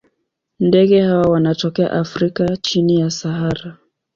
Ndege hawa wanatokea Afrika chini ya Sahara.